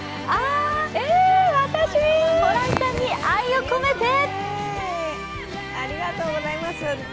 ありがとうございます。